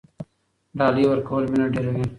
ډالۍ ورکول مینه ډیروي.